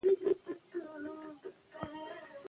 ازادي راډیو د سیاست په اړه د بریاوو مثالونه ورکړي.